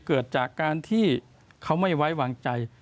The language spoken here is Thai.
เกิดจากการที่เขาไม่ไว้วางใจ